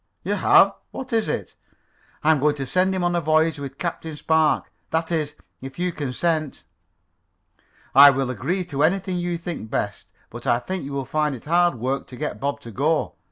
"You have? What is it?" "I am going to send him on a voyage with Captain Spark. That is, if you consent." "I will agree to anything you think best. But I think you will find it hard work to get Bob to go.